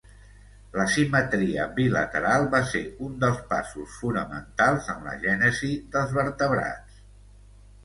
La simetria bilateral va ser un dels passos fonamentals en la gènesi dels vertebrats.